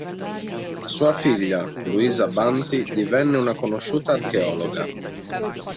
Sua figlia, Luisa Banti, divenne una conosciuta archeologa.